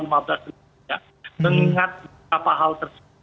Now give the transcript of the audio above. mengingat beberapa hal tersebut